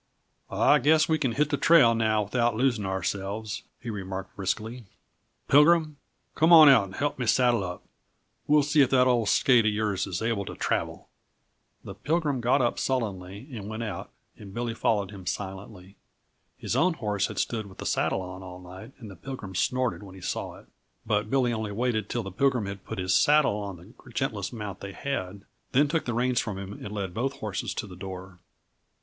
"I guess we can hit the trail now without losing ourselves," he remarked briskly. "Pilgrim, come on out and help me saddle up; we'll see if that old skate of yours is able to travel." The Pilgrim got up sullenly and went out, and Billy followed him silently. His own horse had stood with the saddle on all night, and the Pilgrim snorted when he saw it. But Billy only waited till the Pilgrim had put his saddle on the gentlest mount they had, then took the reins from him and led both horses to the door.